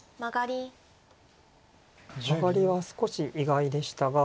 マガリは少し意外でしたが。